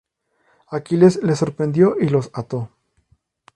Aquiles les sorprendió y los ató.